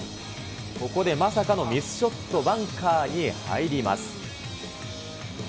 ここでまさかのミスショット、バンカーに入ります。